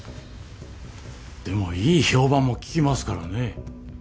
でもいい評判も聞きますからね。